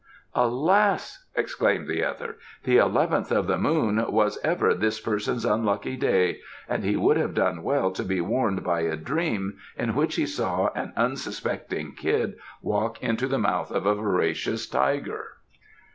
"Alas!" exclaimed the other. "The eleventh of the moon was ever this person's unlucky day, and he would have done well to be warned by a dream in which he saw an unsuspecting kid walk into the mouth of a voracious tiger."